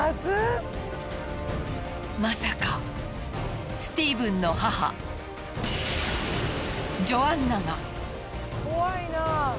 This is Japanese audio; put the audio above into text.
まさかスティーブンの母ジョアンナが。